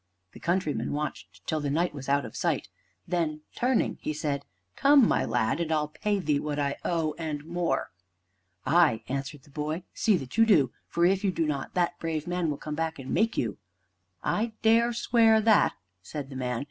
The countryman watched till the Knight was out of sight. Then, turning, he said "Come, my lad, and I'll pay thee what I owe, and more." "Ay," answered the boy, "see that you do, for if you do not, that brave man will come back and make you." "I dare swear that," said the man.